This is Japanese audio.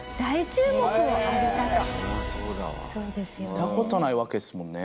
いた事ないわけですもんね。